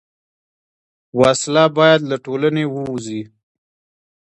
وسله باید له ټولنې ووځي